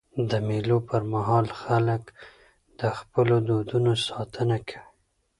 د مېلو پر مهال خلک د خپلو دودونو ساتنه کوي.